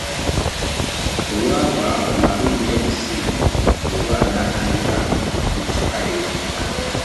O lwava mu Maroon FC , Mugerwa natandika akadeemi .